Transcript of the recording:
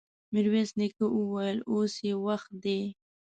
ميرويس نيکه وويل: اوس يې وخت دی!